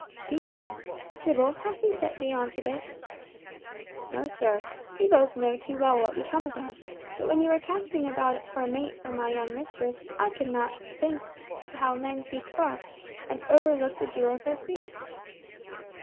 "Stephen! Tibble, hath he set thee on to this?" "No, sir. We both know too well what becometh us; but when you were casting about for a mate for my young mistress, I could not but think how men seek far, and overlook the jewel at their feet."